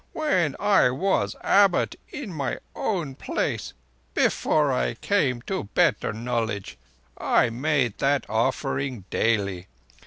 "When I was Abbot in my own place—before I came to better knowledge I made that offering daily.